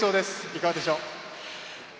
いかがでしょう？